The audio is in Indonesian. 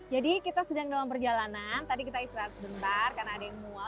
jadi kita sedang dalam perjalanan tadi kita istirahat sebentar karena ada yang mual